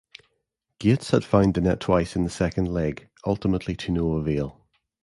Gates had found the net twice in the second leg, ultimately to no avail.